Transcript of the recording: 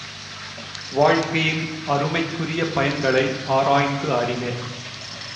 வாழ்க்கையின் அருமைக்குரிய பயன்களை ஆராய்ந்து அறிக!